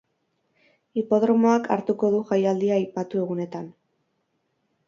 Hipodromoak hartuko du jaialdia aipatu egunetan.